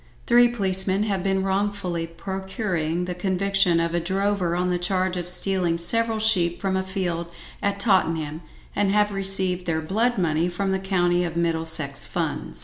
Three policemen have been wrongfully procuring the conviction of a drover on the charge of stealing several sheep from a field at Tottenham, and have received their "blood money" from the County of Middlesex funds.